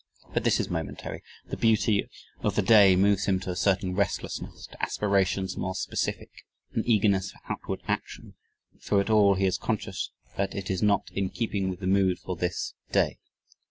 but this is momentary; the beauty of the day moves him to a certain restlessness to aspirations more specific an eagerness for outward action, but through it all he is conscious that it is not in keeping with the mood for this "Day."